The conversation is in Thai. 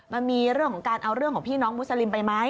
มันมีเรื่องของการเอาเรื่องของพี่น้องมุสลิมไปไหม